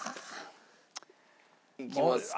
いきますか？